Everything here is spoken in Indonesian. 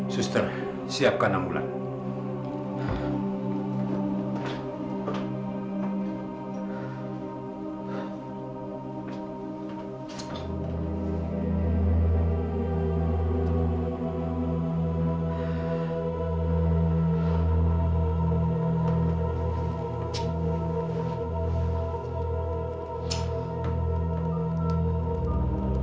suster siapkan ambulans